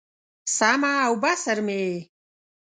سمع او بصر مې یې